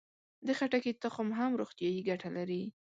د خټکي تخم هم روغتیایي ګټه لري.